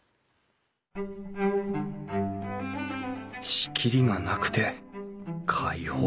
仕切りがなくて開放的だ。